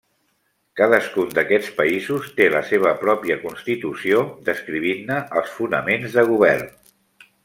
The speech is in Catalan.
Cadascun d'aquests països té la seva pròpia constitució descrivint-ne els fonaments de govern.